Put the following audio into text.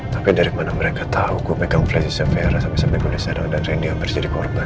tapi dari mana mereka tahu gue pegang flash di servera sampai sampai gue disadang dan renny hampir jadi korban